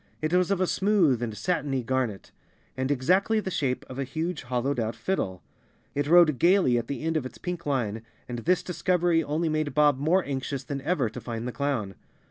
It was of a smooth and satiny garnet, and exactly the shape of a huge, hollowed out fiddle. It rode gaily at the end of 235 The Cowardly Lion of Oz its pink line, and this discovery only made Bob more anxious than ever to find the clown.